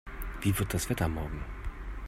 Wie wird das Wetter morgen?